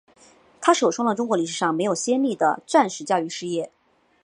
它首创了中国历史上没有先例的战时教育事业。